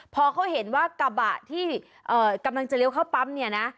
พอเขาเห็นว่ากระบะที่กำลังจะเลี้ยวเข้าปั๊มเนี่ยนะ